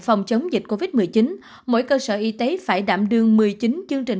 phòng chống dịch covid một mươi chín mỗi cơ sở y tế phải đảm đương một mươi chín chương trình